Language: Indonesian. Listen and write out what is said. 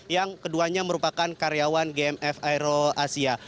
yang keduanya merupakan karyawan gmf aero asia